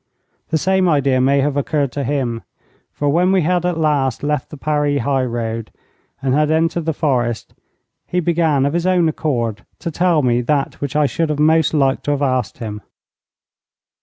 The same idea may have occurred to him, for when we had at last left the Paris high road, and had entered the forest, he began of his own accord to tell me that which I should have most liked to have asked him.